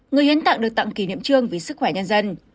người hiến tặng được tặng kỷ niệm trương vì sức khỏe nhân dân